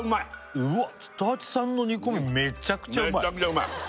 うわっ蔦八さんの煮込みめっちゃくちゃうまい！